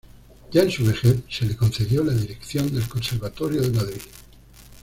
Ya en su vejez, se le concedió la dirección del Conservatorio de Madrid.